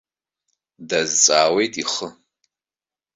Дазҵаауеит ихы.